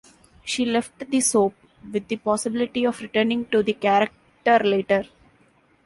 She left the soap with the possibility of returning to the character later.